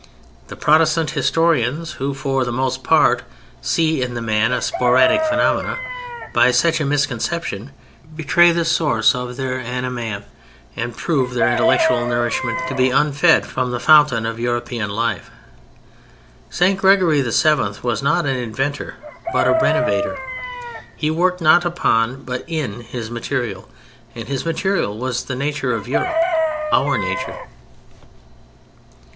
The Protestant historians who, for the most part, see in the man a sporadic phenomenon, by such a misconception betray the source of their anæmia and prove their intellectual nourishment to be unfed from the fountain of European life. St. Gregory VII. was not an inventor, but a renovator. He worked not upon, but in, his material; and his material was the nature of Europe: our nature.